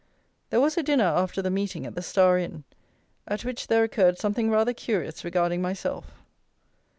There was a dinner after the meeting at the Star Inn, at which there occurred something rather curious regarding myself.